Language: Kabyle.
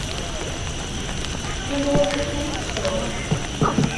Tanwalt attan ukessar.